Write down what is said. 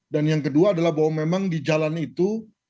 dan yang kedua adalah bahwa memang di jalan itu